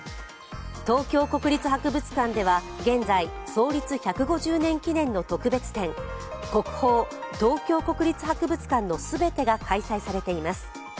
東京国立博物館では現在、創立１５０年記念の特別展、国宝東京国立博物館のすべてが開催されています。